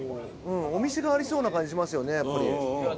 お店がありそうな感じしますよねやっぱり。